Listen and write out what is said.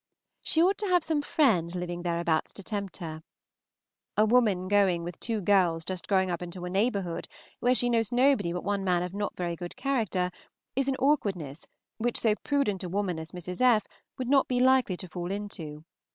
She ought to have some friend living thereabouts to tempt her. A woman going with two girls just growing up into a neighborhood where she knows nobody but one man of not very good character, is an awkwardness which so prudent a woman as Mrs. F. would not be likely to fall into.